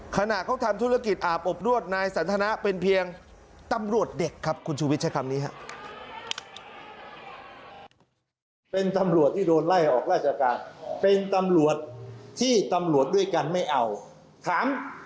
ขณะเขาทำธุรกิจอาบอบนวดนายสันทนะเป็นเพียงตำรวจเด็กครับคุณชูวิทย์ใช้คำนี้ครับ